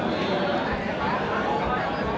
อย่าตั้งสี่แต่วัน